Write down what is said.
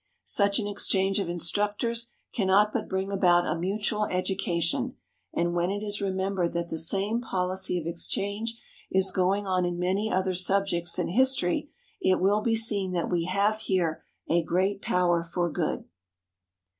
Such an exchange of instructors cannot but bring about a mutual education; and when it is remembered that the same policy of exchange is going on in many other subjects than history, it will be seen that we have here a great power for good.